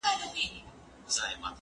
هغه وويل چي مکتب مهم دی؟